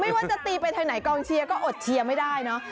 ไม่ว่าจะตีไปทางไหนกองเชียร์ก็อดเชียร์ไม่ได้เนอะ